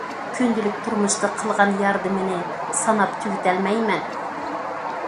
كۈندىلىك تۇرمۇشتا قىلغان ياردىمىنى ساناپ تۈگىتەلمەيمەن.